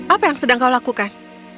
apa yang sedang kau lakukan